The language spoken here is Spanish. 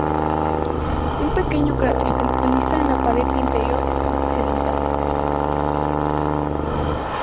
Un pequeño cráter se localiza en la pared interior occidental.